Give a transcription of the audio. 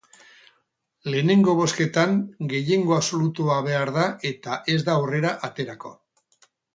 Lehenengo bozketan, gehiengo absolutua behar da eta ez da aurrera aterako.